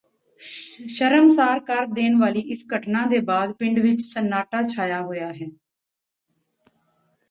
ਸ਼ਰਮਸਾਰ ਕਰ ਦੇਣ ਵਾਲੀ ਇਸ ਘਟਨਾ ਦੇ ਬਾਅਦ ਪਿੰਡ ਵਿਚ ਸੰਨਾਟਾ ਛਾਇਆ ਹੋਇਆ ਹੈ